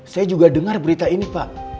saya juga dengar berita ini pak